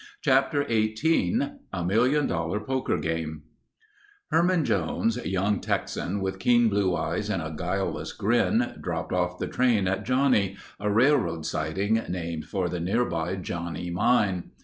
Chapter XVIII A Million Dollar Poker Game Herman Jones, young Texan with keen blue eyes and a guileless grin, dropped off the train at Johnnie, a railroad siding, named for the nearby Johnnie mine.